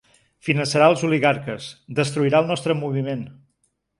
Finançarà els oligarques, destruirà el nostre moviment!